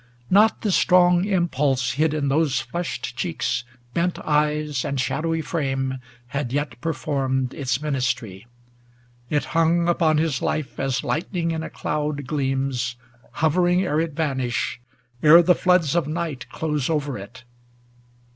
Not the strong impulse hid In those flushed cheeks, bent eyes, and shadowy frame, Had yet performed its ministry; it hung Upon his life, as lightning in a cloud Gleams, hovering ere it vanish, ere the floods 419 Of night close over it.